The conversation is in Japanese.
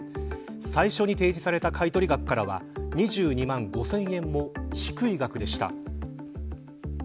最初に提示された買取額からは２２万５０００円も低い額でした。